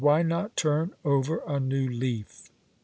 Why not turn over a new leaf?"